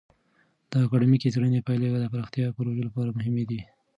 د اکادمیکې څیړنې پایلې د پراختیایي پروژو لپاره مهمې دي.